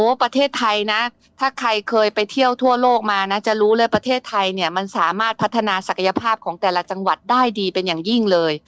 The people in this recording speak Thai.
ประเทศไทยนะถ้าใครเคยไปเที่ยวทั่วโลกมานะจะรู้เลยประเทศไทยเนี่ยมันสามารถพัฒนาศักยภาพของแต่ละจังหวัดได้ดีเป็นอย่างยิ่งเลย